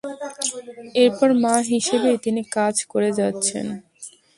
এরপর মা হিসেবেই তিনি কাজ করে যাচ্ছেন।